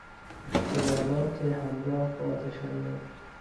اختلالات همراه با تشنج